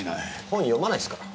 本読まないっすから。